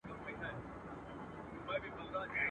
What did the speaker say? چوروندک سو، پاچهي سوه، فرمانونه.